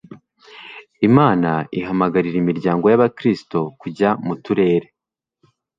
Imana ihamagarira imiryango yAbakristo kujya mu turere